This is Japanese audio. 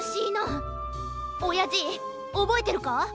おやじおぼえてるか？